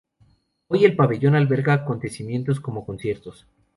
Hoy, el pabellón alberga acontecimientos como conciertos.